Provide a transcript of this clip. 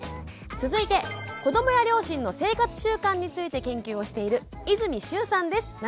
続いて子どもや両親の生活習慣について研究をしている泉秀生さんです。